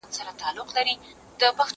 زه پرون سبا ته فکر وکړ!؟